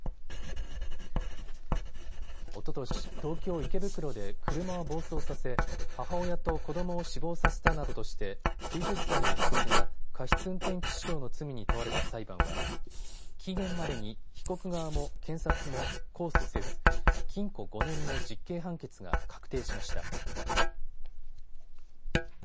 おととし、東京池袋で車を暴走させ母親と子どもを死亡させたなどとして９０歳の被告が過失運転致死傷の罪に問われた裁判は期限までに被告側も検察も控訴せず、禁錮５年の実刑判決が確定しました。